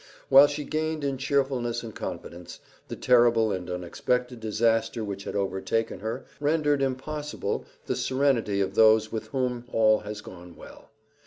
While she gained in cheerfulness and confidence, the terrible and unexpected disaster which had overtaken her rendered impossible the serenity of those with whom all has gone well.